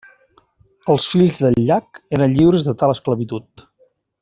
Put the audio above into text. Els fills del llac eren lliures de tal esclavitud.